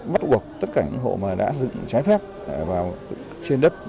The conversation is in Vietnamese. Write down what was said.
bắt buộc tất cả những hộ đã dựng cháy phép trên đất